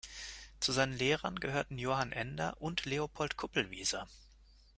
Zu seinen Lehrern gehörten Johann Ender und Leopold Kupelwieser.